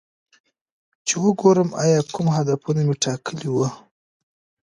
چې وګورم ایا کوم هدفونه مې ټاکلي وو